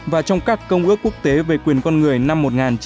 và trong các công ước quốc tế về quyền con người năm một nghìn chín trăm sáu mươi sáu